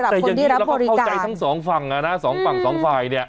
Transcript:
แล้วก็เข้าใจทั้งสองฝั่งอะนะสองปังสองฝ่ายเนี่ย